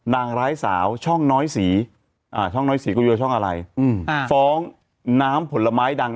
นางร้ายสาวช่องน้อยสีช่องน้อยสีกูเจอช่องอะไรฟ้องน้ำผลไม้ดัง